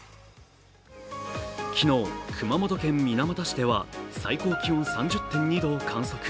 昨日、熊本県水俣市では最高気温３０．２度を観測。